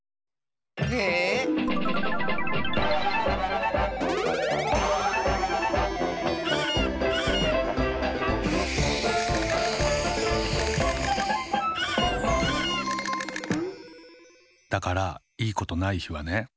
ええ⁉だからいいことないひはね。